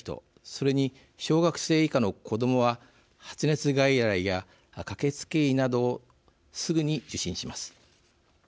それに小学生以下の子どもは発熱外来や、掛かりつけ医などをすぐに受診します。